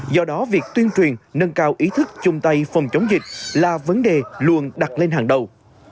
do đó việc tuyên truyền nâng cao ý thức chung tay phòng chống dịch là vấn đề luôn đặt lên hàng đầu